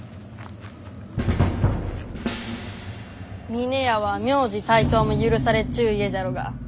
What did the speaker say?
峰屋は名字帯刀も許されちゅう家じゃろうが。